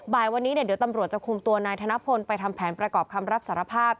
บ่ายวันนี้เดี๋ยวตำรวจจะคุมตัวนายธนพลไปทำแผนประกอบคำรับสารภาพ